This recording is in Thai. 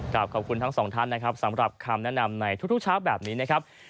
ขอบคุณทั้งสองท่านนะครับสำหรับคำแนะนำในทุกเช้าแบบนี้นะครับ